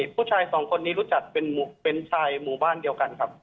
ผู้ชายสองคนนี้รู้จักเป็นชายหมู่บ้านเดียวกันครับ